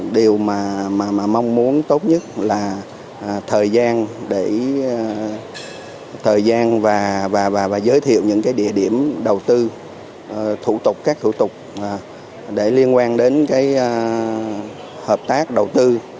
điều mà mong muốn tốt nhất là thời gian và giới thiệu những địa điểm đầu tư thủ tục các thủ tục để liên quan đến hợp tác đầu tư